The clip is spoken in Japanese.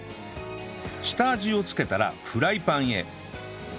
下味をつけたらフライパンへ